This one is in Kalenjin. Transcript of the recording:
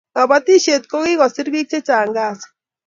kabotishe kokiser biik chechang kazii